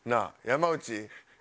山内。